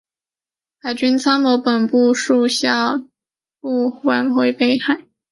海军参谋本部遂下令海军部队返回北海。